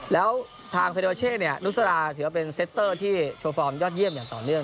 แล้วทางเซเดอร์เช่นุสลาถือว่าเป็นเซตเตอร์ที่โชว์ฟอร์มยอดเยี่ยมอย่างต่อเนื่อง